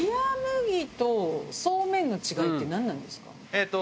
えっと